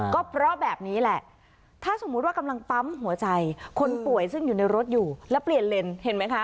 ก็เพราะแบบนี้แหละถ้าสมมุติว่ากำลังปั๊มหัวใจคนป่วยซึ่งอยู่ในรถอยู่แล้วเปลี่ยนเลนส์เห็นไหมคะ